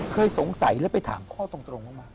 เคยสงสัยแล้วไปถามพ่อตรงมา